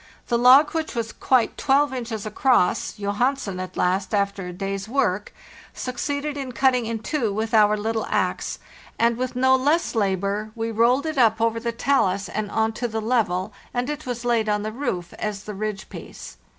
The log, which was quite 12 inches across, Johansen at last, after a day's work, succeeded in cutting in two with our little axe, and with no less labor we rolled it up over the talus and on to the level, and it was laid on the roof as the ridge piece.